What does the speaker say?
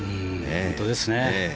本当ですね。